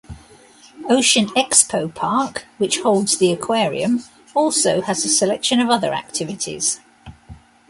Ocean Expo Park which holds the aquarium also has a selection of other activities.